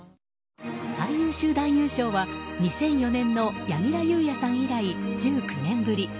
最優秀男優賞は２００４年の柳楽優弥さん以来１９年ぶり。